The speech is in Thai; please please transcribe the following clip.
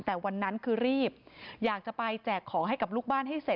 แต่วันนั้นคือรีบอยากจะไปแจกของให้กับลูกบ้านให้เสร็จ